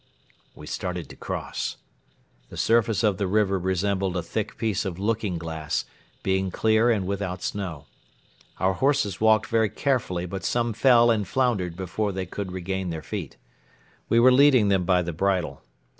We started to cross. The surface of the river resembled a thick piece of looking glass, being clear and without snow. Our horses walked very carefully but some fell and floundered before they could regain their feet. We were leading them by the bridle.